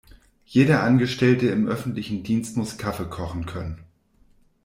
Jeder Angestellte im öffentlichen Dienst muss Kaffee kochen können.